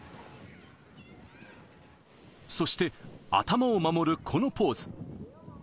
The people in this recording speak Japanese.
そして、頭を守るこのポーズ。